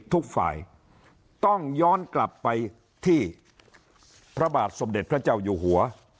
ทุกฝ่ายต้องย้อนกลับไปที่พระบาทสมเด็จพระเจ้าอยู่หัว